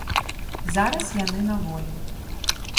Зараз яны на волі.